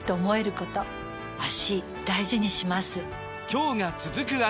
今日が、続く脚。